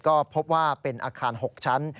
ก็พบว่าเป็นอาคาร๖ชั้น